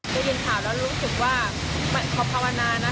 ได้ยินข่าวแล้วรู้สึกว่าขอภาวนานะ